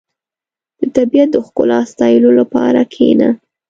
• د طبیعت د ښکلا ستایلو لپاره کښېنه.